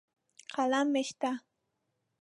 قلم مې شته.